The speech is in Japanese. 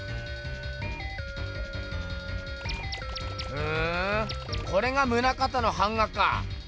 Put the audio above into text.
ふんこれが棟方の版画か。